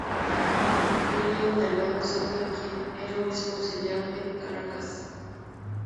William Delgado Silva quien era Obispo Auxiliar de Caracas.